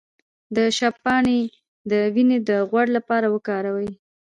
د شبت پاڼې د وینې د غوړ لپاره وکاروئ